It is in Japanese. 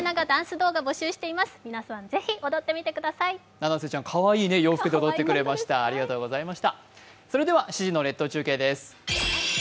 ななせちゃん、かわいい洋服で踊ってくれました、ありがとうございました。